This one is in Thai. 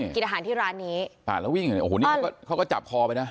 กินอาหารที่ร้านนี้แล้ววิ่งโอ้โหนี่เขาก็จับคอไปนะ